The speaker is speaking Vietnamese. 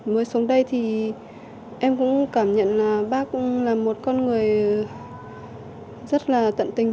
mới xuống đây thì em cũng cảm nhận là bác là một con người rất là tận tình